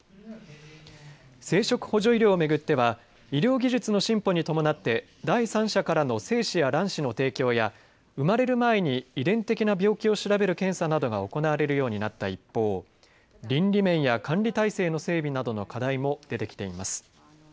生殖補助医療を巡っては医療技術の進歩に伴って第三者からの精子や卵子の提供や生まれる前に遺伝的な病気を調べる検査などが行われるようになった一方倫理面や管理体制の整備などの課題も出てきています。